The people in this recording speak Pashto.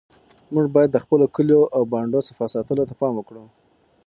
موږ باید د خپلو کلیو او بانډو صفا ساتلو ته پام وکړو.